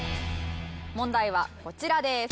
問題はこちらです。